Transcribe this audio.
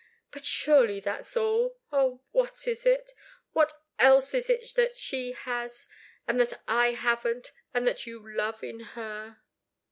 "But surely that's all oh, what is it? What else is it that she has, and that I haven't, and that you love in her?"